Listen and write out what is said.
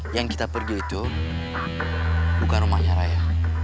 yang kita pergi itu bukan rumahnya raya